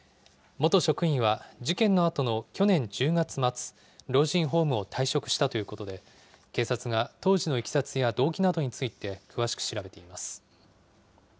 元職員は、事件のあとの去年１０月末、老人ホームを退職したということで、警察が当時のいきさつや動機などについて、詳しく調べ